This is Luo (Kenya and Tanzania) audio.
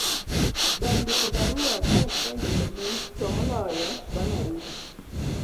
ber ndiko barua ka iseyudo mich to moloyo bang' arus